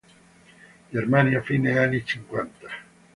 Germania, fine anni cinquanta.